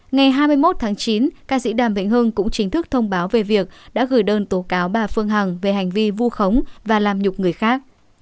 ngày hai mươi một tháng chín ca sĩ đàm vĩnh hưng cũng chính thức thông báo về việc đã gửi đơn tố cáo bà phương hằng về hành vi vu khống và làm nhục người khác